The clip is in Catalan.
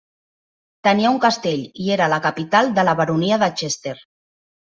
Tenia un castell i era la capital de la baronia de Chester.